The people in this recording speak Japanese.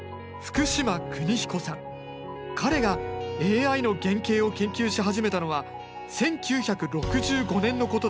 彼がＡＩの原型を研究し始めたのは１９６５年のことだった。